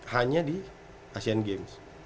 hanya di asean games